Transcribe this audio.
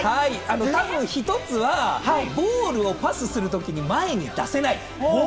たぶん１つはボールをパスするときに前に出せない。